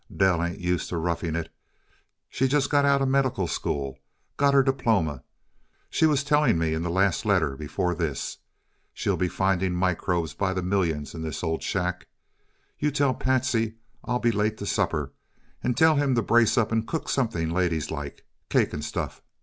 Dell ain't used to roughing it; she's just out of a medical school got her diploma, she was telling me in the last letter before this. She'll be finding microbes by the million in this old shack. You tell Patsy I'll be late to supper and tell him to brace up and cook something ladies like cake and stuff.